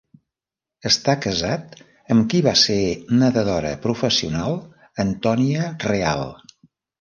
Està casat amb qui va ser nedadora professional Antònia Real.